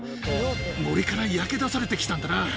森から焼け出されてきたんだな。